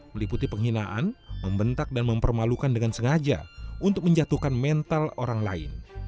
meliputi penghinaan membentak dan mempermalukan dengan sengaja untuk menjatuhkan mental orang lain